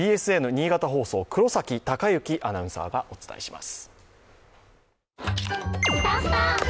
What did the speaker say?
新潟放送・黒崎貴之アナウンサーがお伝えします。